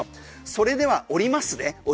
それでは降りますね。